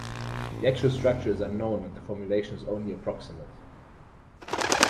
The actual structure is unknown and the formulation is only approximate.